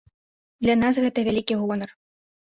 Для нас гэта вялікі гонар.